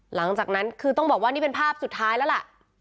หลังจากนั้นคือต้องบอกว่านี่เป็นภาพสุดท้ายแล้วล่ะ